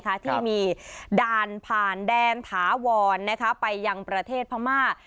ที่มีด่านผ่านแดนถาวรไปยังประเทศพม่า